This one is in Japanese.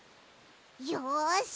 よし！